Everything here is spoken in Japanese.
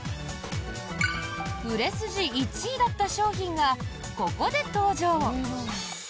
売れ筋１位だった商品がここで登場！